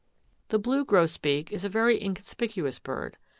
The blue grosbeak is a very inconspicuous bird.